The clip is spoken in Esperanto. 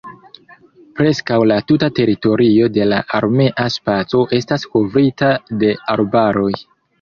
Preskaŭ la tuta teritorio de la armea spaco estas kovrita de arbaroj.